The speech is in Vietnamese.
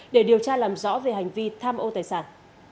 để điều tra làm rõ về hành vi tham ô tài sản